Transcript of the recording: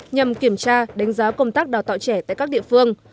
nhằm kiểm tra đánh giá công tác đào tạo trẻ tại các địa phương